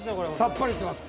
さっぱりします。